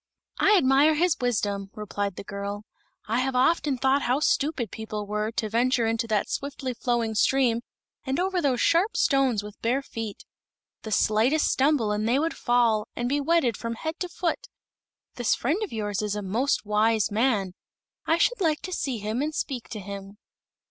"I admire his wisdom," replied the girl. "I have often thought how stupid people were to venture into that swiftly flowing stream and over those sharp stones with bare feet. The slightest stumble and they would fall, and be wetted from head to foot. This friend of yours is a most wise man. I should like to see him and speak to him."